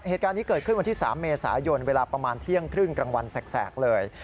เหตุการณ์นี้เกิดขึ้นวันที่๓เมษายนเวลาประมาณเที่ยงครึ่งกลางวันแสกเลย